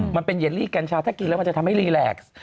มันเป็นเยลลี่กัญชาถ้ากินแล้วมันจะทำให้รีแลก